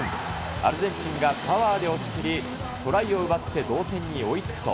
アルゼンチンがパワーで押し切り、トライを奪って同点に追いつくと。